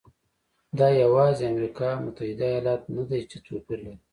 دا یوازې امریکا متحده ایالات نه دی چې توپیر لري.